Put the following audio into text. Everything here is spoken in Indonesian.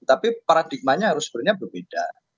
tapi paradigmanya harus sebenarnya berbeda